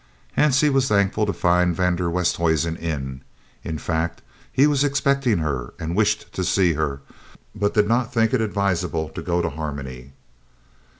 Hansie was thankful to find van der Westhuizen in; in fact, he was expecting her and wished to see her, but did not think it advisable to go to Harmony.